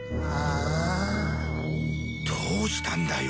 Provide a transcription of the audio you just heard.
どうしたんだよ